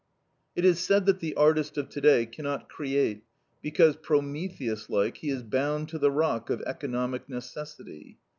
It is said that the artist of today cannot create because Prometheus like he is bound to the rock of economic necessity.